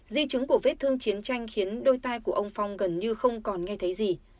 di chứng của vết thương chiến tranh khiến đôi tay của ông phong gần như không còn nghe thấy gì